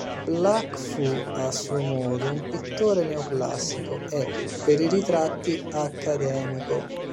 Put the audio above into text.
Blanc fu, a suo modo, un pittore neoclassico, e, per i ritratti, accademico.